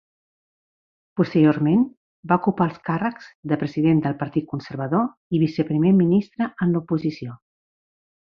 Posteriorment va ocupar els càrrecs de president del Partit Conservador i viceprimer ministre en l'oposició.